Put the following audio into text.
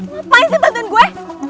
ngapain sih bantuin gue